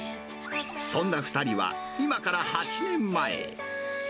そんな２人は、今から８年前。